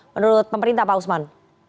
menurut pemerintah pak usman